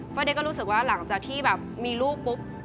เพราะเด็กก็รู้สึกว่าหลังจากที่แบบมีลูกปุ๊บ